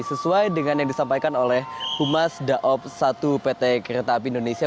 sesuai dengan yang disampaikan oleh humas daob satu pt kereta api indonesia